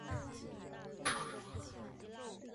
拉特纳普勒区是斯里兰卡萨伯勒格穆沃省的一个区。